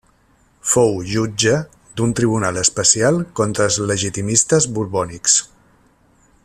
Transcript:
Fou jutge d'un tribunal especial contra els legitimistes borbònics.